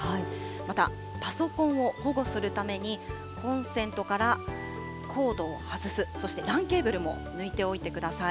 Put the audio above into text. またパソコンを保護するために、コンセントからコードを外す、そしてＬＡＮケーブルも抜いておいてください。